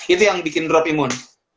itu yang bikin drop imun